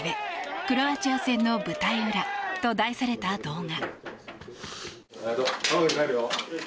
クロアチア戦の舞台裏」と題された動画。